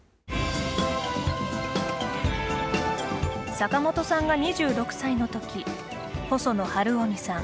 坂本さんが２６歳の時細野晴臣さん